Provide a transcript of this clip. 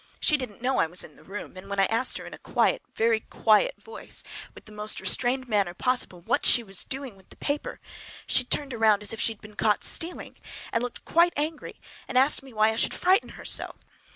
She didn't know I was in the room, and when I asked her in a quiet, a very quiet voice, with the most restrained manner possible, what she was doing with the paper she turned around as if she had been caught stealing, and looked quite angry—asked me why I should frighten her so!